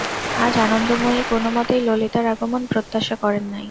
আজ আনন্দময়ী কোনোমতেই ললিতার আগমন প্রত্যাশা করেন নাই।